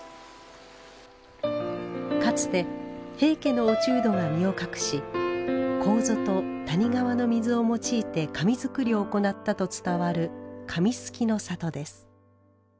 かつて平家の落人が身を隠し楮と谷川の水を用いて紙作りを行ったと伝わる紙すきの里です。